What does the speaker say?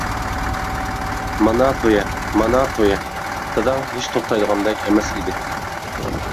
مانا تويە، مانا تويە. داداڭ ھېچ توختايدىغاندەك ئەمەس ئىدى.